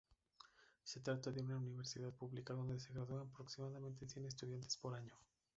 Se trata de una universidad pública, donde se gradúan aproximadamente cien estudiantes por año.